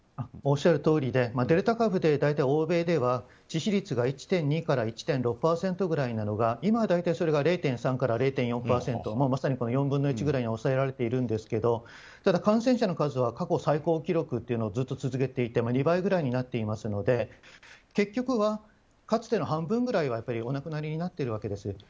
おっしゃるとおりでデルタ株で大体、欧米では致死率が１．２から１．６％ぐらいなのが今は大体それが０．３０．４％まさに４分の１くらいに抑えられているんですけどただ感染者の数が過去最高記録をずっと続けていて２倍ぐらいになっているので結局はかつての半分くらいはお亡くなりになっているわけです。